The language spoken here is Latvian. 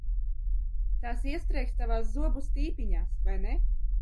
Tās iestrēgs tavās zobu stīpiņās, vai ne?